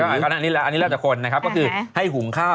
อันนี้แล้วแต่คนนะครับก็คือให้หุงข้าว